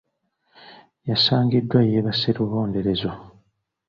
Yasangiddwa yeebase lubonderezo.